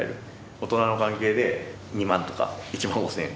大人の関係で２万とか１万５，０００円。